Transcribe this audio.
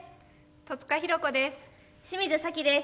戸塚寛子です。